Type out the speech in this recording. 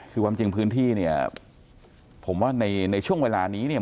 คือความจริงพื้นที่เนี่ยผมว่าในช่วงเวลานี้เนี่ย